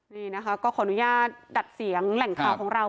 นี่นะคะก็ขออนุญาตดัดเสียงแหล่งข่าวของเรา